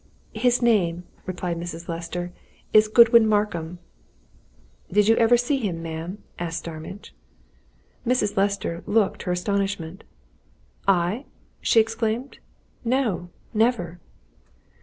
"His name," replied Mrs. Lester, "is Godwin Markham." "Did you ever see him, ma'am?" asked Starmidge. Mrs. Lester looked her astonishment. "I?" she exclaimed. "No never!"